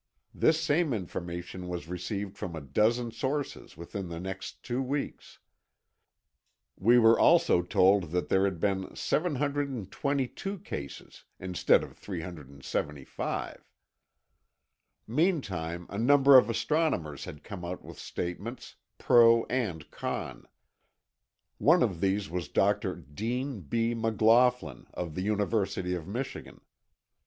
This same information was received from a dozen sources within the next two weeks. We were also told that there had been 722 cases, instead of 375. Meantime, a number of astronomers had come out with statements, pro and con. One of these was Dr. Dean B. McLaughlin, of the University of Michigan.